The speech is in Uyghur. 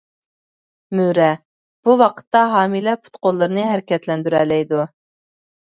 مۈرە: بۇ ۋاقىتتا ھامىلە پۇت-قوللىرىنى ھەرىكەتلەندۈرەلەيدۇ.